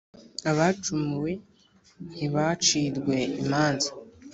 Abacumuye ntibacirwe imanza